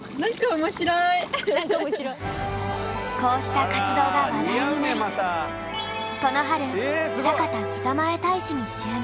こうした活動が話題になりこの春酒田北前大使に就任。